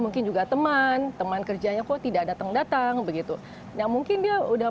mungkin juga teman teman kerjanya kok tidak datang datang begitu nah mungkin dia udah